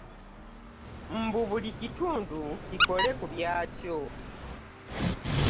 Mbu buli kitundu kikole ku byakyo.